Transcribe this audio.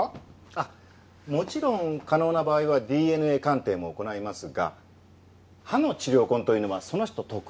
あっもちろん可能な場合はＤＮＡ鑑定も行いますが歯の治療痕というのはその人特有のものですから。